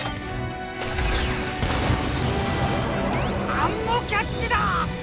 アンモキャッチだ！